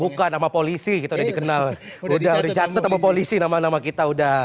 bukan nama polisi kita udah dikenal udah dicatat sama polisi nama nama kita udah